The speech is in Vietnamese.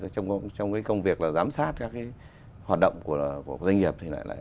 trong cái công việc là giám sát các cái hoạt động của doanh nghiệp